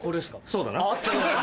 そうだな。